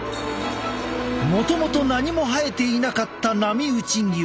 もともと何も生えていなかった波打ち際。